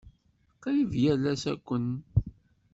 Qrib yal ass akken.